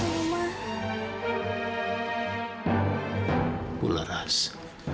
mereka masih bisa rabbit